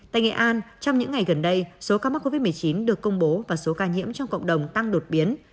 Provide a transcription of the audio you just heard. tại nghệ an trong những ngày gần đây số ca mắc covid một mươi chín được công bố và số ca nhiễm trong cộng đồng tăng đột biến